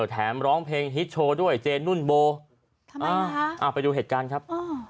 แถมร้องเพลงฮิตโชว์ด้วยเจนุ่นโบไปดูเหตุการณ์ครับ